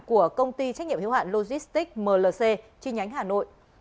của công ty trách nhiệm hiếu hạn logistics mlc chi nhánh hà nội